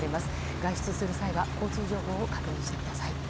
外出する際は交通情報を確認してください。